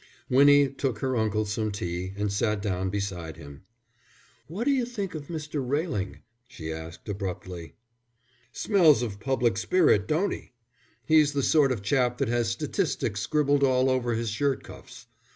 Winnie took her uncle some tea and sat down beside him. "What d'you think of Mr. Railing?" she asked, abruptly. "Smells of public spirit, don't he? He's the sort of chap that has statistics scribbled all over his shirt cuffs."